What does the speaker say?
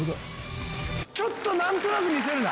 ちょっとなんとなく見せるな。